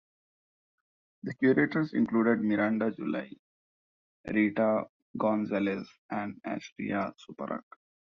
The curators included Miranda July, Rita Gonzalez, and Astria Suparak.